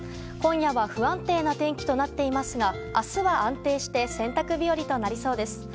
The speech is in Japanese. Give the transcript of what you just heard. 今夜は不安定な天気となっていますが明日は安定して洗濯日和となりそうです。